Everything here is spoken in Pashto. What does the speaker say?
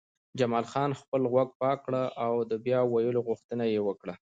جمال خان خپل غوږ پاک کړ او د بیا ویلو غوښتنه یې وکړه